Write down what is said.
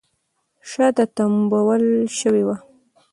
شاته تمبول شوې وه